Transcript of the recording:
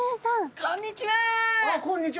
こんにちは。